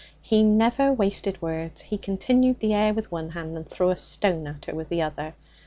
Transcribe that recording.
He never wasted words. He continued the air with one hand and threw a stone at her with the other.